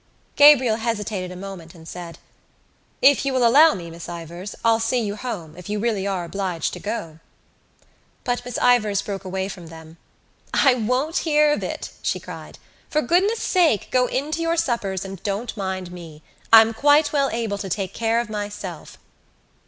Gabriel hesitated a moment and said: "If you will allow me, Miss Ivors, I'll see you home if you are really obliged to go." But Miss Ivors broke away from them. "I won't hear of it," she cried. "For goodness' sake go in to your suppers and don't mind me. I'm quite well able to take care of myself."